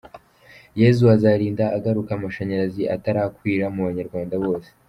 Yesu azarinda agaruka amashanyarazi atarakwira mu abanyarwanda Bose.